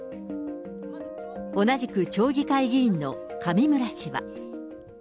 同じく町議会議員の上村氏は。